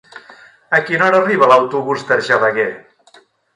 A quina hora arriba l'autobús d'Argelaguer?